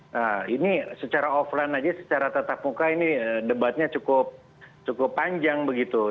nah ini secara offline aja secara tatap muka ini debatnya cukup panjang begitu